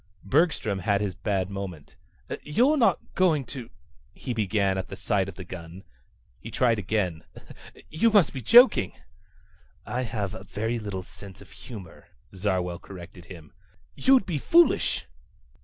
Bergstrom had his bad moment. "You're not going to ..." he began at the sight of the gun. He tried again. "You must be joking." "I have very little sense of humor," Zarwell corrected him. "You'd be foolish!"